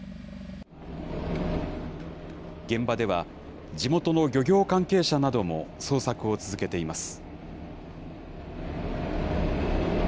現場では、地元の漁業関係者なども捜索を続けています。